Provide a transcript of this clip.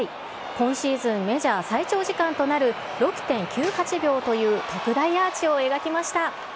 今シーズン、メジャー最長時間となる、６．９８秒という、特大アーチを描きました。